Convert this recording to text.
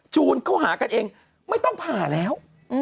จูนเข้าหากันเองไม่ต้องผ่าแล้ว